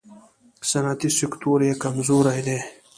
صنعتي سکتور یې کمزوری دی.